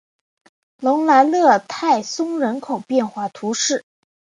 隆莱勒泰松人口变化图示